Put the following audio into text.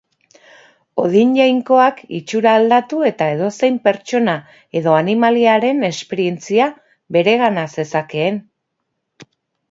Odin jainkoak itxura aldatu eta edozein pertsona edo animaliaren esperientzia beregana zezakeen.